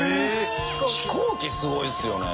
飛行機すごいですよね。